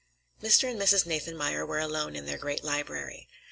Mr. and Mrs. Nathanmeyer were alone in their great library.